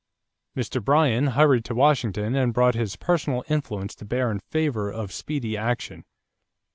Mr. Bryan hurried to Washington and brought his personal influence to bear in favor of speedy action.